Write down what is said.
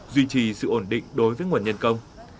duy trì sự ổn định đối với nguồn nhân công